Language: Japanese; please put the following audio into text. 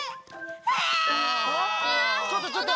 ちょっとちょっと！